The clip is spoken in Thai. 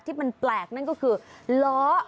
ที่มันแปลกนั่นก็คือล้อ